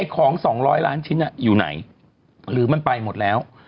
ของ๒๐๐ล้านชิ้นอยู่ไหนหรือมันไปหมดแล้ว